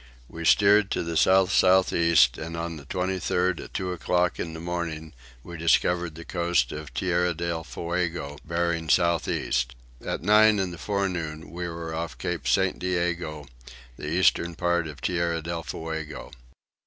We steered to the south south east and on the 23rd at two o'clock in the morning we discovered the coast of Tierra del Fuego bearing south east. At nine in the forenoon we were off Cape St. Diego, the eastern part of Tierra del Fuego.